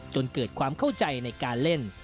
จนเกิดความเข้าใจในการเล่น